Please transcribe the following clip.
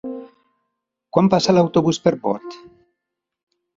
Quan passa l'autobús per Bot?